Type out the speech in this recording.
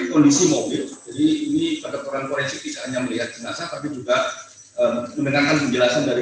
kondisi mobil ini pada perang koreksi hanya melihat jenazah tapi juga mendengarkan penjelasan dari